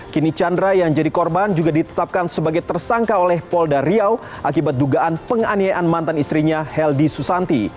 kini chandra yang jadi korban juga ditetapkan sebagai tersangka oleh polda riau akibat dugaan penganiayaan mantan istrinya heldi susanti